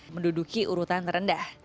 menduduki urutan terendah